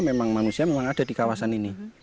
memang manusia memang ada di kawasan ini